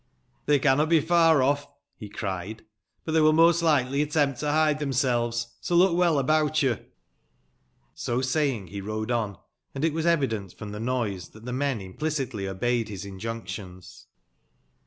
" Tbey cannot be far off," be c^ied \" but tbey will most likely attempt to bide tbemselves, so look well about you.' So saying, be rode on, and it was evident from tbe noise, tbat tbe men implicitly obeyed bis injunctions.